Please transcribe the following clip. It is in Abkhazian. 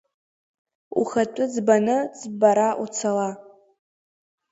Ухатәы ӡбаны ӡбара уцала.